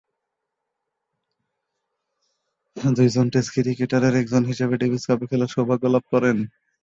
দুইজন টেস্ট ক্রিকেটারের একজন হিসেবে ডেভিস কাপে খেলার সৌভাগ্য লাভ করেন।